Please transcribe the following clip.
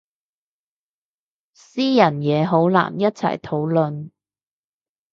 私人嘢好難一齊討論